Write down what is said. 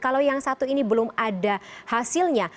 kalau yang satu ini belum ada hasilnya